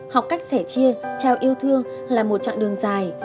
học cách sẻ chia trao yêu thương là một chặng đường dài